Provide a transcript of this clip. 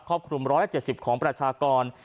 คลุม๑๗๐ของประชากร